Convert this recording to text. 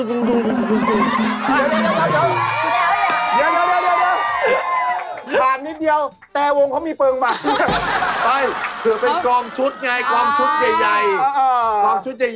ใช่เพราะลูกไม่รู้